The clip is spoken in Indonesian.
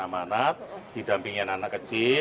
amanat di dampingan anak kecil